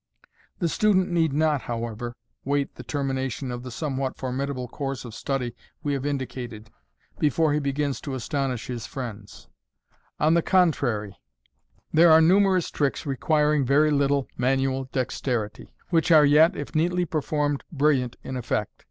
The student need not, however, wait the termination of the somewhat formidable course of study we hav» indicated, before he begins to astonish his friends j on the contrary, MODERN MAGIC. there are numerous tricks requiring very little manual dexteritv, whi :h are yet, if neatly performed, brilliant in effect.